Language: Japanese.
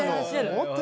もっと。